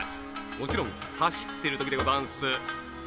もちろんはしっているときでござんす。